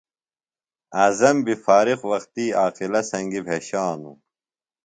اعظم بیۡ فارغ وختیۡ عاقلہ سنگیۡ بھیشانوۡ۔